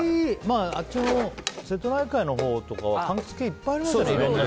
瀬戸内海のほうとかは柑橘系がいっぱいありますからね。